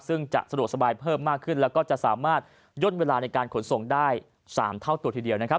ซึ่งจะสะดวกสบายเพิ่มมากขึ้นแล้วก็จะสามารถย่นเวลาในการขนส่งได้๓เท่าตัวทีเดียวนะครับ